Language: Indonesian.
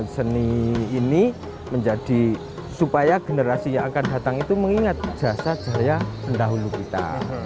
seni ini menjadi supaya generasi yang akan datang itu mengingat jasa jaya pendahulu kita